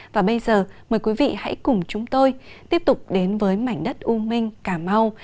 và bây giờ mời quý vị hãy cùng chúng tôi tiếp tục đến với mảnh đất u minh cà mau